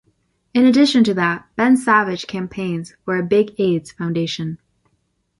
In addition to that, Ben Savage campaigns for a big AIDS foundation.